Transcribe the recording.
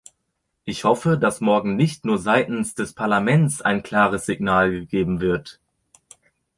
Ich hoffe, dass morgen nicht nur seitens des Parlaments ein klares Signal gegeben wird.